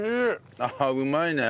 ああうまいね。